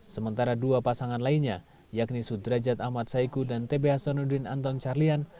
sementara dua pasangan lainnya yakni sudrajat ahmad saiku dan tbh sonodin anton carlyan